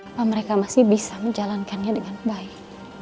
apa mereka masih bisa menjalankannya dengan baik